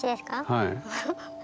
はい。